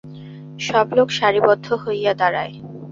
সব লোক সারিবদ্ধ হইয়া দাঁড়ায়।